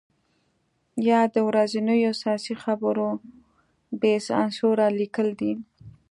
یا د ورځنیو سیاسي خبرو بې سانسوره لیکل دي.